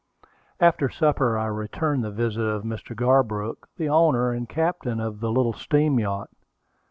After supper I returned the visit of Mr. Garbrook, the owner and captain of the little steam yacht.